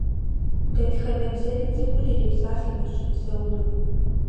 Дэтхэнэ бзэри цӏыхур ирипсалъэмэщ щыпсэунур.